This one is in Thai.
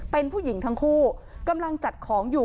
เป็นผู้หญิงทั้งคู่กำลังจัดของอยู่